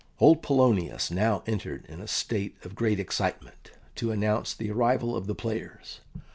Old Polonius now entered in a state of great excitement to announce the arrival of the players.